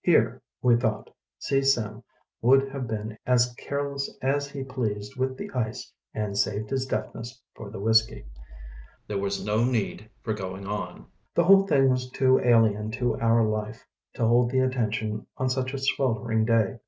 "Here", we thought, "See Sim would have been as careless as he pleased with the ice and saved his deftness for the whisky." There was no need of going on. The whole thing was too alien to our life to hold the attention on such a sweltering day.